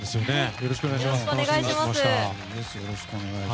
よろしくお願いします。